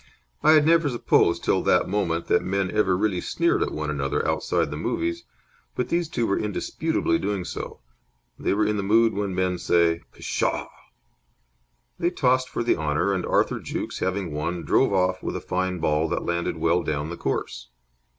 I had never supposed till that moment that men ever really sneered at one another outside the movies, but these two were indisputably doing so. They were in the mood when men say "Pshaw!" They tossed for the honour, and Arthur Jukes, having won, drove off with a fine ball that landed well down the course.